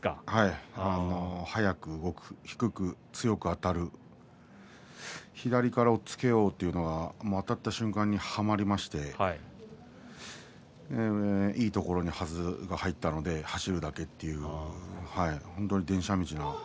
速く動く低く強くあたる左から押っつけようというのはあたった瞬間に、はまりましていいところに、はずが入ったので走るだけ本当に電車道